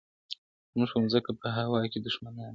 زموږ پر مځکه په هوا کي دښمنان دي!.